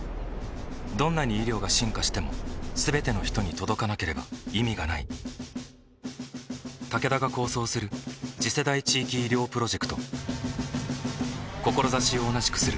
どんなに医療が進化しても全ての人に届かなければ意味がないタケダが構想する次世代地域医療プロジェクト志を同じくするあらゆるパートナーと手を組んで実用化に挑む